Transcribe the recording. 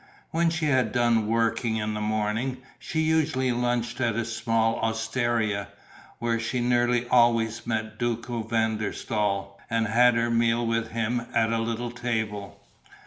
When she had done working in the morning, she usually lunched at a small osteria, where she nearly always met Duco van der Staal and had her meal with him at a little table.